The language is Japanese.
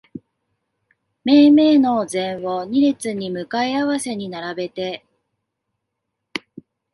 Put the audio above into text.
めいめいのお膳を二列に向かい合わせに並べて、